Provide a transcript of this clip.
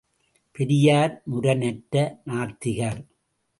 பெரியார் முரணற்ற நாத்திகர்.